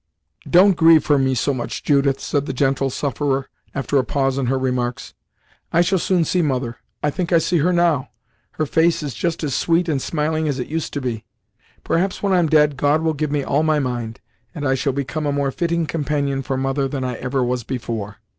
"Don't grieve for me so much, Judith," said the gentle sufferer, after a pause in her remarks; "I shall soon see mother I think I see her now; her face is just as sweet and smiling as it used to be! Perhaps when I'm dead, God will give me all my mind, and I shall become a more fitting companion for mother than I ever was before."